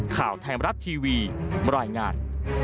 ข่าวไทยรัตน์ทีวีมรายงาน